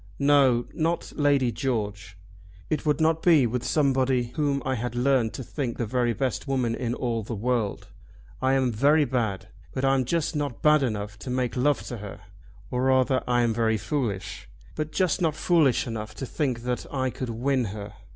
"No; not Lady George. It would not be with somebody whom I had learned to think the very best woman in all the world. I am very bad, but I'm just not bad enough to make love to her. Or rather I am very foolish, but just not foolish enough to think that I could win her."